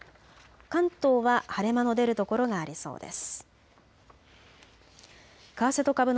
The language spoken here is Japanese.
関東は晴れ間の出る所がありそうです。